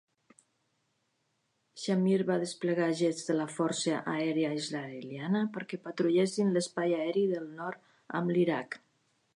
Shamir va desplegar jets de la Força Aèria Israeliana perquè patrullessin l'espai aeri del nord amb l'Iraq.